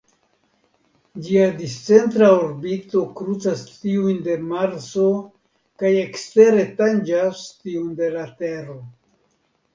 Ĝia discentra orbito krucas tiujn de Marso kaj ekstere tanĝas tiun de la Tero.